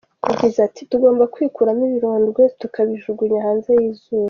Yagize ati’’Tugomba kwikuramo ibirondwe tukabijugunya hanze y’izuba.